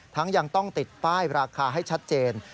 ยังต้องติดป้ายราคาให้ชัดเจน